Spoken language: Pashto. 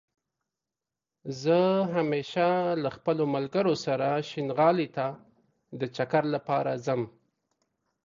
زه همېشه له خپلو ملګرو سره شينغالى ته دا چکر لپاره ځم